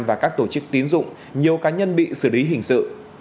và các tổ chức tín dụng nhiều cá nhân bị xử lý hình sự